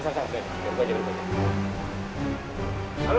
biar gua jalan dulu